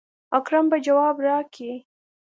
اکرم به جواب راکي.